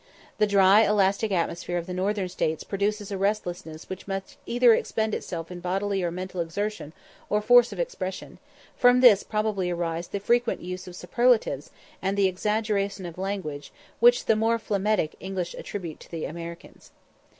The dry, elastic atmosphere of the northern States produces a restlessness which must either expend itself in bodily or mental exertion or force of expression; from this probably arise the frequent use of superlatives, and the exaggeration of language, which the more phlegmatic English attribute to the Americans.